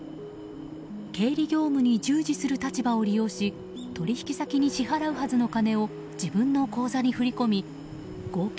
経理業務に従事する立場を利用し取引先に支払うはずの金を自分の口座に振り込み合計